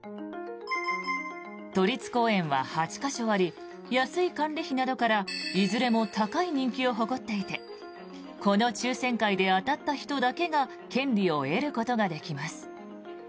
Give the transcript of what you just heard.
都立公園は８か所あり安い管理費などからいずれも高い人気を誇っていてこの抽選会で当たった人だけが権利を得ることができます。